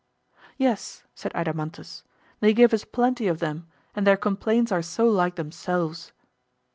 Yes, said Adeimantus, they give us plenty of them, and their complaints are so like themselves.